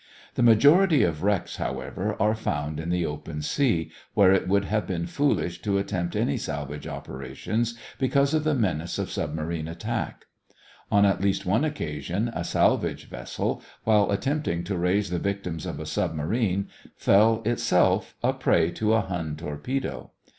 The majority of wrecks, however, are found in the open sea, where it would have been foolish to attempt any salvage operations because of the menace of submarine attack. On at least one occasion a salvage vessel, while attempting to raise the victims of a submarine, fell, itself, a prey to a Hun torpedo.